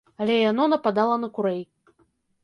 Але яно нападала на курэй.